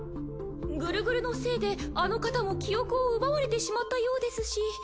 グルグルのせいであの方も記憶を奪われてしまったようですし。